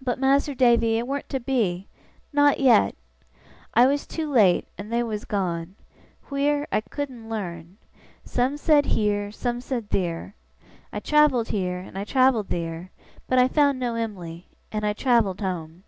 But, Mas'r Davy, it warn't to be not yet! I was too late, and they was gone. Wheer, I couldn't learn. Some said heer, some said theer. I travelled heer, and I travelled theer, but I found no Em'ly, and I travelled home.